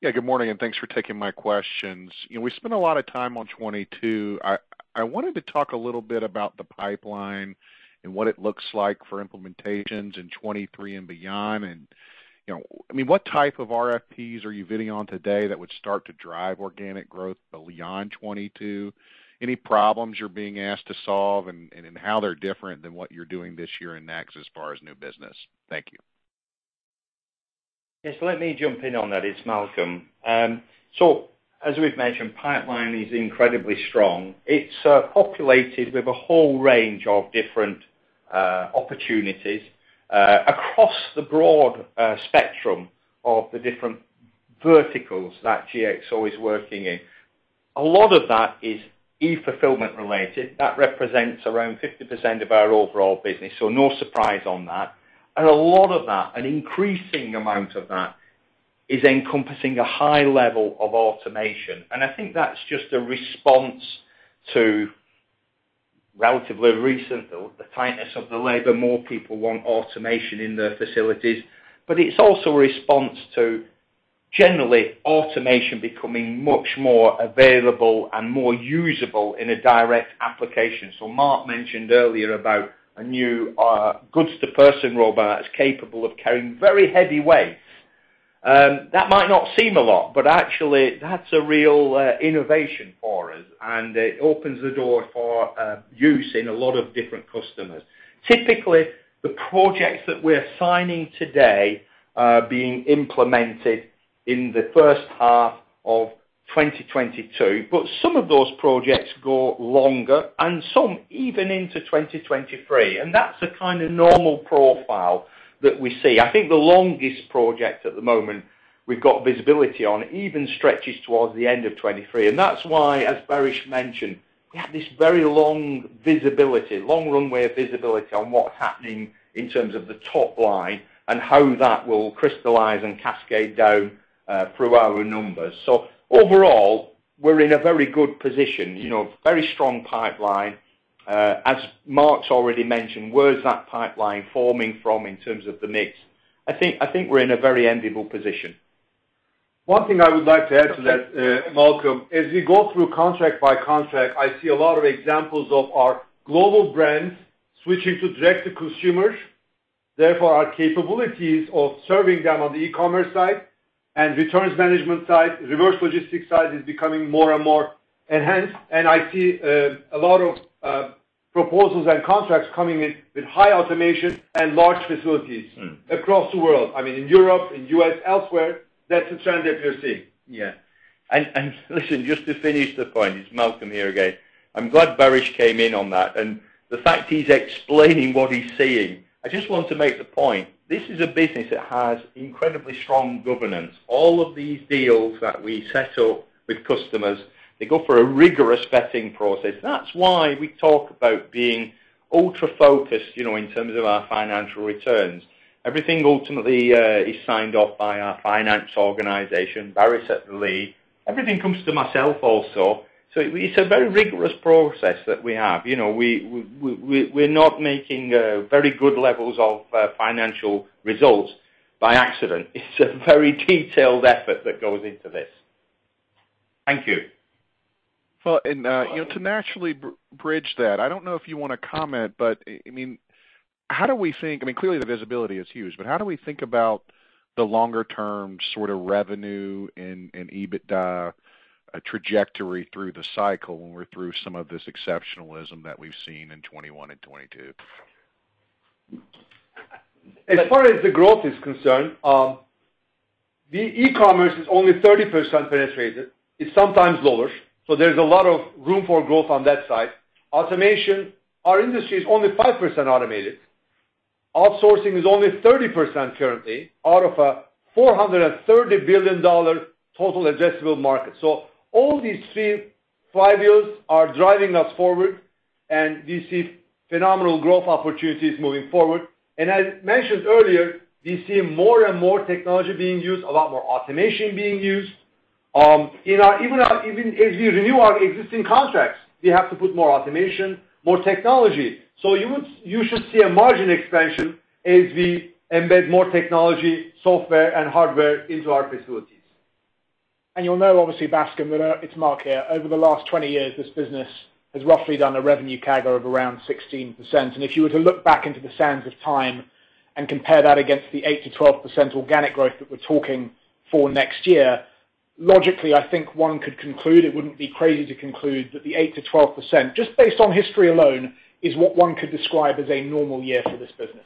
Yeah, good morning, and thanks for taking my questions. You know, we spent a lot of time on 2022. I wanted to talk a little bit about the pipeline and what it looks like for implementations in 2023 and beyond. You know, I mean, what type of RFPs are you bidding on today that would start to drive organic growth beyond 2022? Any problems you're being asked to solve and how they're different than what you're doing this year and next as far as new business? Thank you. Yes, let me jump in on that. It's Malcolm. As we've mentioned, pipeline is incredibly strong. It's populated with a whole range of different opportunities across the broad spectrum of the different verticals that GXO is working in. A lot of that is e-fulfillment related. That represents around 50% of our overall business, so no surprise on that. A lot of that, an increasing amount of that is encompassing a high level of automation. I think that's just a response to the relatively recent tightness of the labor. More people want automation in their facilities. It's also a response to generally automation becoming much more available and more usable in a direct application. Mark mentioned earlier about a new goods-to-person robot that's capable of carrying very heavy weights. That might not seem a lot, but actually that's a real innovation for us, and it opens the door for use in a lot of different customers. Typically, the projects that we're signing today are being implemented in the first half of 2022, but some of those projects go longer and some even into 2023. That's the kind of normal profile that we see. I think the longest project at the moment we've got visibility on even stretches towards the end of 2023. That's why, as Baris mentioned, we have this very long visibility, long runway of visibility on what's happening in terms of the top line and how that will crystallize and cascade down through our numbers. Overall, we're in a very good position, you know, very strong pipeline. As Mark's already mentioned, where's that pipeline forming from in terms of the mix? I think we're in a very enviable position. One thing I would like to add to that, Malcolm, as we go through contract by contract, I see a lot of examples of our global brands switching to direct-to-consumer. Therefore, our capabilities of serving them on the e-commerce side and returns management side, reverse logistics side is becoming more and more enhanced. I see a lot of proposals and contracts coming in with high automation and large facilities across the world. I mean, in Europe, in U.S., elsewhere, that's the trend that we're seeing. Yeah. Listen, just to finish the point, it's Malcolm here again. I'm glad Baris came in on that. The fact he's explaining what he's seeing, I just want to make the point, this is a business that has incredibly strong governance. All of these deals that we set up with customers, they go through a rigorous vetting process. That's why we talk about being ultra-focused, you know, in terms of our financial returns. Everything ultimately is signed off by our finance organization, Baris at the lead. Everything comes to myself also. It's a very rigorous process that we have. You know, we're not making very good levels of financial results by accident. It's a very detailed effort that goes into this. Thank you. Well, you know, to naturally bridge that, I don't know if you wanna comment, but I mean, how do we think? I mean, clearly the visibility is huge, but how do we think about the longer term sort of revenue and EBITDA trajectory through the cycle when we're through some of this exceptionalism that we've seen in 2021 and 2022? As far as the growth is concerned, the e-commerce is only 30% penetrated. It's sometimes lower, so there's a lot of room for growth on that side. Automation, our industry is only 5% automated. Outsourcing is only 30% currently out of a $430 billion total addressable market. All these three levers are driving us forward, and we see phenomenal growth opportunities moving forward. As mentioned earlier, we see more and more technology being used, a lot more automation being used. Even as we renew our existing contracts, we have to put more automation, more technology. You should see a margin expansion as we embed more technology, software, and hardware into our facilities. You'll know obviously, Bascome, that it's Mark here. Over the last 20 years, this business has roughly done a revenue CAGR of around 16%. If you were to look back into the sands of time and compare that against the 8%-12% organic growth that we're talking for next year, logically, I think one could conclude, it wouldn't be crazy to conclude, that the 8%-12%, just based on history alone, is what one could describe as a normal year for this business.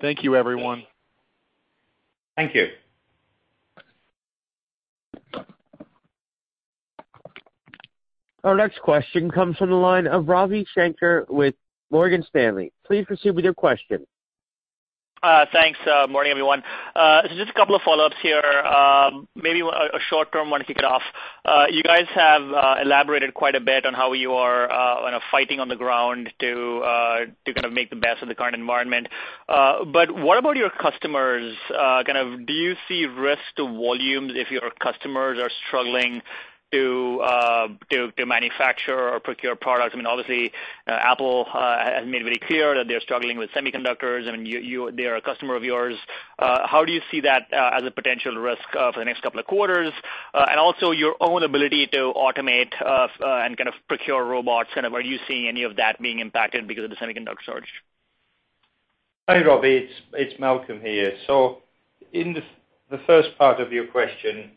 Thank you, everyone. Thank you. Our next question comes from the line of Ravi Shanker with Morgan Stanley. Please proceed with your question. Thanks. Morning, everyone. Just a couple of follow-ups here. Maybe a short term one to kick it off. You guys have elaborated quite a bit on how you are kinda fighting on the ground to kinda make the best of the current environment. What about your customers? Kind of do you see risk to volumes if your customers are struggling to manufacture or procure products? I mean, obviously, Apple has made very clear that they're struggling with semiconductors, and they're a customer of yours. How do you see that as a potential risk for the next couple of quarters? Also your own ability to automate, and kind of procure robots, kind of are you seeing any of that being impacted because of the semiconductor shortage? Hi, Ravi. It's Malcolm here. In the first part of your question,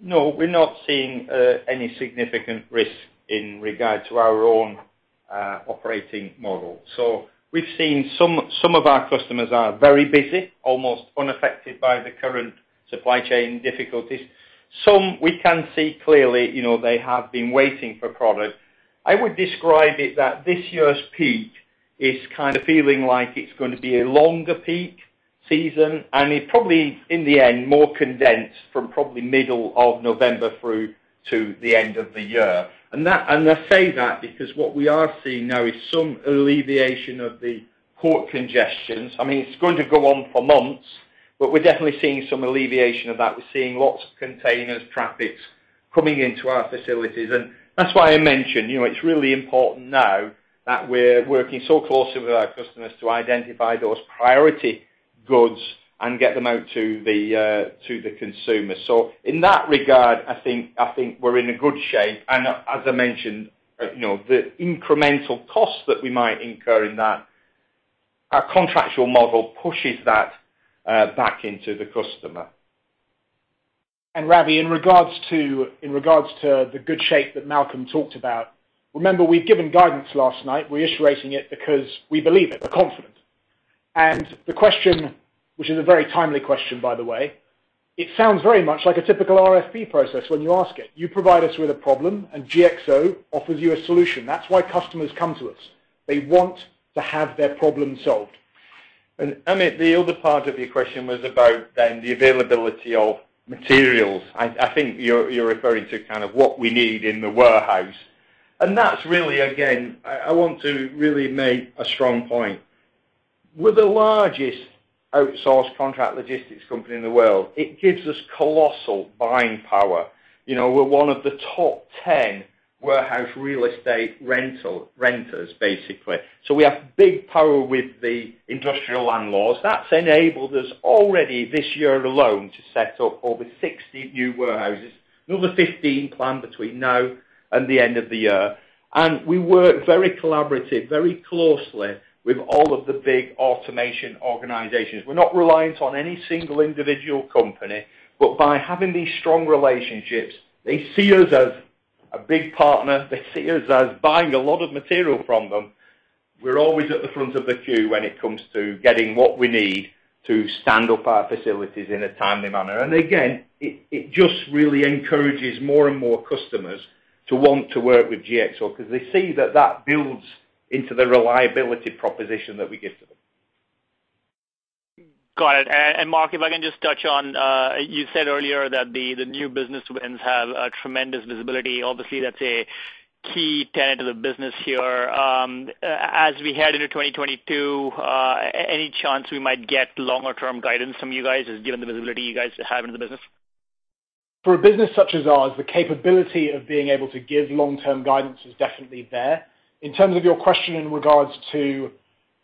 no, we're not seeing any significant risk in regards to our own operating model. We've seen some of our customers are very busy, almost unaffected by the current supply chain difficulties. Some we can see clearly, you know, they have been waiting for product. I would describe it that this year's peak is kind of feeling like it's going to be a longer peak season, and it probably in the end more condensed from probably middle of November through to the end of the year. I say that because what we are seeing now is some alleviation of the port congestions. I mean, it's going to go on for months, but we're definitely seeing some alleviation of that. We're seeing lots of containers, traffic coming into our facilities. That's why I mentioned, you know, it's really important now that we're working so closely with our customers to identify those priority goods and get them out to the consumer. In that regard, I think we're in a good shape. As I mentioned, you know, the incremental costs that we might incur in that, our contractual model pushes that back into the customer. Ravi, in regards to the good shape that Malcolm talked about, remember we've given guidance last night. We're issuing it because we believe it. We're confident. The question, which is a very timely question by the way, it sounds very much like a typical RFP process when you ask it. You provide us with a problem, and GXO offers you a solution. That's why customers come to us. They want to have their problem solved. Ravi, the other part of your question was about then the availability of materials. I think you're referring to kind of what we need in the warehouse. That's really, again, I want to really make a strong point. We're the largest outsourced contract logistics company in the world. It gives us colossal buying power. You know, we're one of the top 10 warehouse real estate renters, basically. So we have big power with the industrial landlords. That's enabled us already this year alone to set up over 60 new warehouses, another 15 planned between now and the end of the year. We work very collaborative, very closely with all of the big automation organizations. We're not reliant on any single individual company. But by having these strong relationships, they see us as a big partner. They see us as buying a lot of material from them. We're always at the front of the queue when it comes to getting what we need to stand up our facilities in a timely manner. Again, it just really encourages more and more customers to want to work with GXO because they see that builds into the reliability proposition that we give to them. Got it. Mark, if I can just touch on, you said earlier that the new business wins have a tremendous visibility. Obviously, that's a key tenet of the business here. As we head into 2022, any chance we might get longer term guidance from you guys just given the visibility you guys have in the business? For a business such as ours, the capability of being able to give long-term guidance is definitely there. In terms of your question in regards to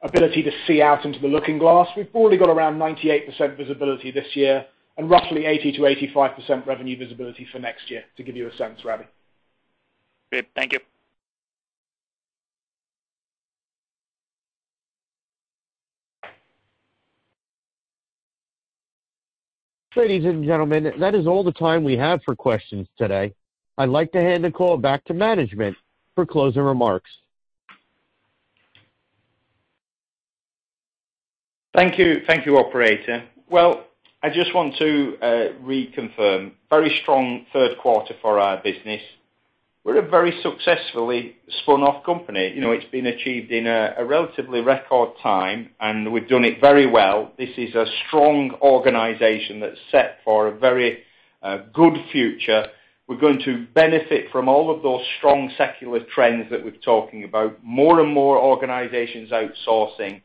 ability to see out into the looking glass, we've already got around 98% visibility this year and roughly 80%-85% revenue visibility for next year, to give you a sense, Ravi. Great. Thank you. Ladies and gentlemen, that is all the time we have for questions today. I'd like to hand the call back to management for closing remarks. Thank you. Thank you, operator. Well, I just want to reconfirm very strong third quarter for our business. We're a very successfully spun off company. You know, it's been achieved in a relatively record time, and we've done it very well. This is a strong organization that's set for a very good future. We're going to benefit from all of those strong secular trends that we're talking about. More and more organizations outsourcing.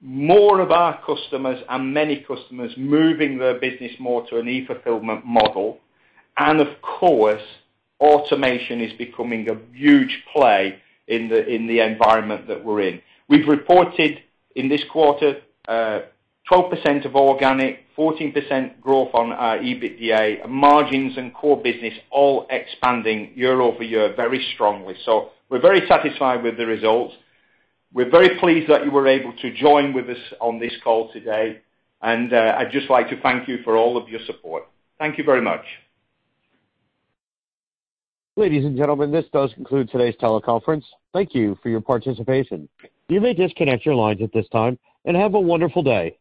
More of our customers and many customers moving their business more to an e-fulfillment model. Of course, automation is becoming a huge play in the environment that we're in. We've reported in this quarter 12% organic, 14% growth on our EBITDA margins and core business all expanding YoY very strongly. We're very satisfied with the results. We're very pleased that you were able to join with us on this call today. I'd just like to thank you for all of your support. Thank you very much. Ladies and gentlemen, this does conclude today's teleconference. Thank you for your participation. You may disconnect your lines at this time, and have a wonderful day.